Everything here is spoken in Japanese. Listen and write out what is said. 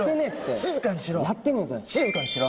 静かにしろ！